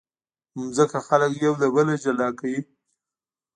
مځکه خلک یو له بله جلا کوي.